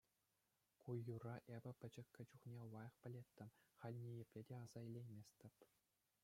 Ку юрра эпӗ пӗчӗккӗ чухне лайӑх пӗлеттӗм, халь ниепле те аса илейместӗп.